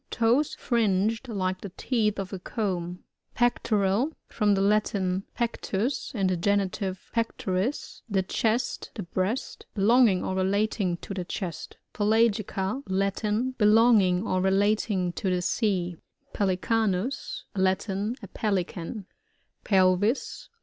Toes fringed like the teeth of a comb. (See, Plate 7, fig. 2.) PxcTORAi* — From the Latin, ^peetus^ (in the genitive,p«(;/om) the chest, the breast Belonging or relating to the chest Pklagica. — ^Latin. Belonging or re lating to the sea. Pblicanus. — Latin. A Pelican. Pelvis.